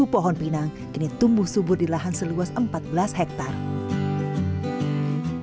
pohon pinang kini tumbuh subur di lahan seluas empat belas hektare